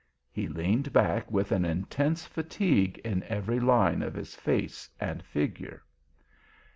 He leaned back with an intense fatigue in every line of his face and figure.